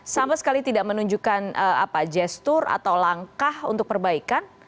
sama sekali tidak menunjukkan gestur atau langkah untuk perbaikan